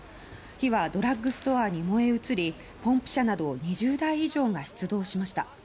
火はドラッグストアに燃え移りポンプ車など２０台以上が出動しました。